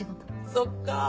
そっかぁ。